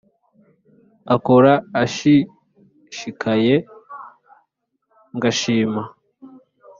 akora ash ish ikaye ngashima